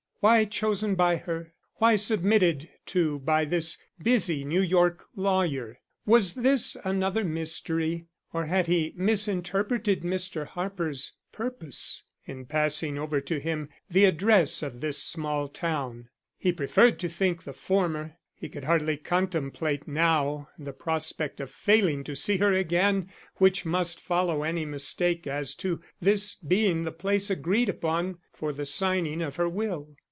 Why chosen by her? Why submitted to by this busy New York lawyer? Was this another mystery; or had he misinterpreted Mr. Harper's purpose in passing over to him the address of this small town? He preferred to think the former. He could hardly contemplate now the prospect of failing to see her again which must follow any mistake as to this being the place agreed upon for the signing of her will.